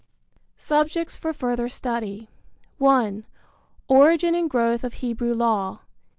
Subjects for Further Study. (1) Origin and Growth of Hebrew Law.